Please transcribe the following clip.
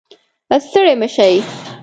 ستړې مه شې